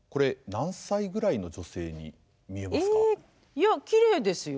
いやきれいですよ。